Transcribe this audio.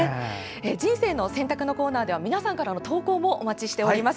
「人生の選択」のコーナーでは皆さんからの投稿をお待ちしております。